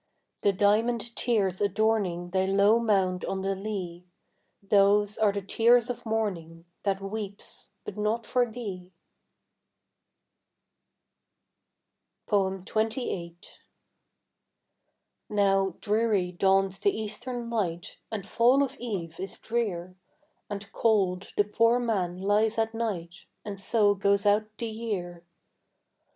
The diamond tears adorning Thy low mound on the lea, Those are the tears of morning, That weeps, but not for thee. XXVIII. Now dreary dawns the eastern light, And fall of eve is drear, And cold the poor man lies at night, And so goes out the year.